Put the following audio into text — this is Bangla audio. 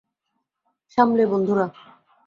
সামলে, বন্ধুরা।